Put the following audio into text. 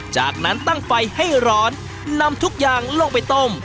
จากนั้นตั้งไฟให้ร้อนนำทุกอย่างลงไปต้ม